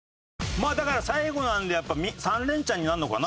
まあだから最後なんで３連チャンになるのかな？